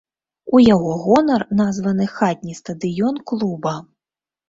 У яго гонар названы хатні стадыён клуба.